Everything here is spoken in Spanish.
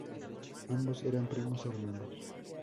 Ambos eran primos hermanos.